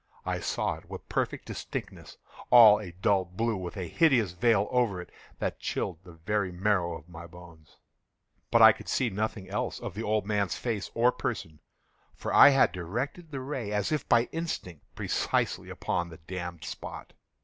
I saw it with perfect distinctness—all a dull blue, with a hideous veil over it that chilled the very marrow in my bones; but I could see nothing else of the old man's face or person: for I had directed the ray as if by instinct, precisely upon the damned spot.